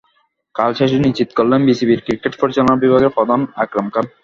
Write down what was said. কাল সেটি নিশ্চিত করলেন বিসিবির ক্রিকেট পরিচালনা বিভাগের প্রধান আকরাম খান।